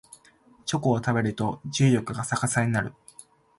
チョコを食べると重力が逆さになる